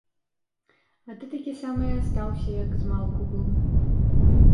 А ты такі самы і астаўся, як і змалку быў.